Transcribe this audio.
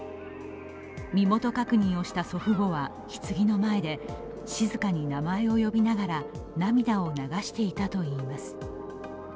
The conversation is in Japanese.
身元確認をした祖父母はひつぎの前で静かに名前を呼びながら涙を流していたといいます。